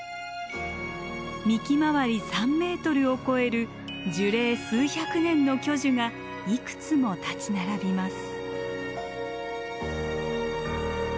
幹回り３ｍを超える樹齢数百年の巨樹がいくつも立ち並びます。